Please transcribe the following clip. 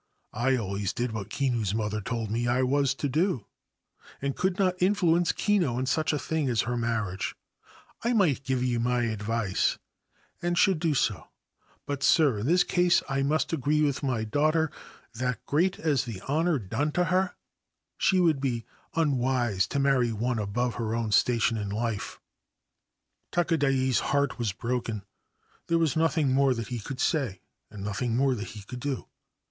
I always did what Kinu's mother told me I was to do, and could not influence Kinu in such a thing as her marriage. I might give you my advice, and should do so ; but, sir, in this case I must agree with my daughter, that, great as the honour done to her, she would be unwise to marry one above her own station in life/ Takadai's heart was broken. There was nothing more that he could say and nothing more that he could do.